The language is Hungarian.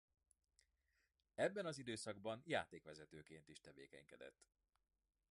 Ebben az időszakban játékvezetőként is tevékenykedett.